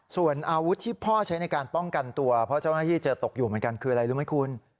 ส่วนอาวุธที่พ่อใช้ในการป้องกันตัวเพราะเจ้าหน้าที่เจอตกอยู่เหมือนกันคืออะไรรู้ไหมคุณ